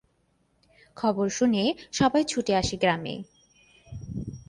খবর শুনে সবাই ছুটে আসে গ্রামে।